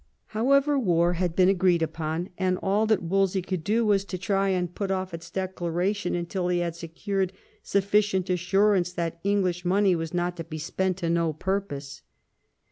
However, war had been agreed upon, and all that Wolsey could do was to try and put off its declaration until he had secured sufficient assurance that English money was not to be spent to no purpose.